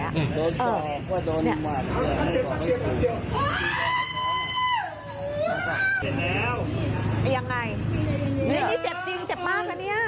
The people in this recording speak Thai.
นี่ยังไงนี่เจ็บจริงเจ็บมากนะเนี่ย